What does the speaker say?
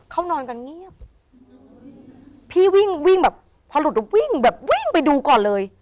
เขานอนกันเงียบพี่วิ่งวิ่งแบบพอหลุดวิ่งแบบวิ่งไปดูก่อนเลย